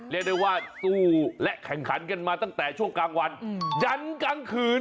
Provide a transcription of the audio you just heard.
เรียกได้ว่าสู้และแข่งขันกันมาตั้งแต่ช่วงกลางวันยันกลางคืน